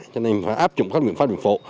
cho nên phải áp dụng các biện pháp biện phụ